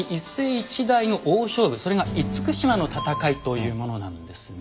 一代の大勝負それが「厳島の戦い」というものなんですね。